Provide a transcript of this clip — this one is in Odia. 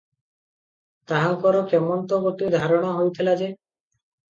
ତାହାଙ୍କର କେମନ୍ତ ଗୋଟିଏ ଧାରଣା ହୋଇଥିଲା ଯେ